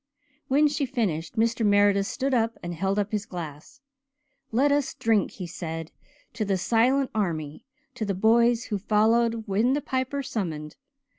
When she finished Mr. Meredith stood up and held up his glass. "Let us drink," he said, "to the silent army to the boys who followed when the Piper summoned.